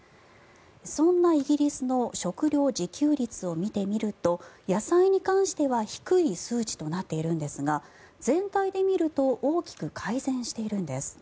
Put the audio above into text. そんなイギリスの食料自給率を見てみると野菜に関しては低い数値となっているんですが全体で見ると大きく改善しているんです。